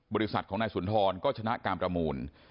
บริษัทของนายสุนทรก็ชนะการประมูล